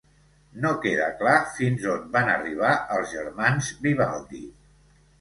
No queda clar fins on van arribar els germans Vivaldi.